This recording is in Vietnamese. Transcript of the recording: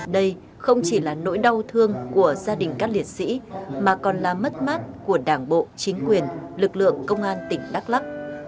đây không chỉ là nỗi đau thương của gia đình các liệt sĩ mà còn là mất mát của đảng bộ chính quyền lực lượng công an tỉnh đắk lắc